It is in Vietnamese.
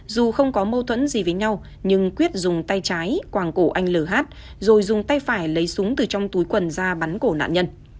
dù không có mâu thuẫn gì với nhau nhưng quyết dùng tay trái quảng cổ anh l rồi dùng tay phải lấy súng từ trong túi quần ra bắn cổ nạn nhân